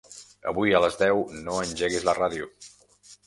Avui a les deu no engeguis la ràdio.